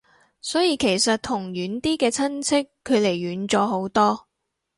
所以其實同遠啲嘅親戚距離遠咗好多